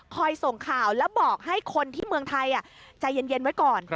ส่งข่าวแล้วบอกให้คนที่เมืองไทยใจเย็นไว้ก่อน